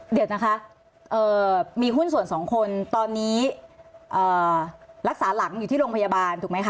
เดี๋ยวนะคะมีหุ้นส่วนสองคนตอนนี้รักษาหลังอยู่ที่โรงพยาบาลถูกไหมคะ